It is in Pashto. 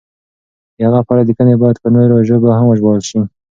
د هغه په اړه لیکنې باید په نورو ژبو هم وژباړل شي.